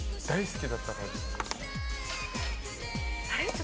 大好きだったから。